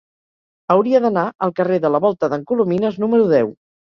Hauria d'anar al carrer de la Volta d'en Colomines número deu.